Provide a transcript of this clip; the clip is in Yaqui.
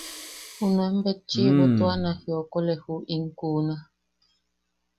Junuen betchiʼʼibo tua na jiokole ju in kuuna.